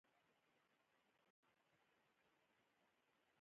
د تخار د خلکو خندا د غرنی رنګ لري.